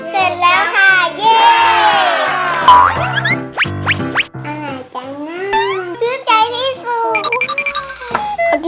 เสร็จแล้วค่ะเย่ม